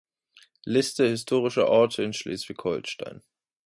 Liste historischer Orte in Schleswig-Holstein